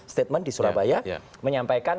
statement di surabaya menyampaikan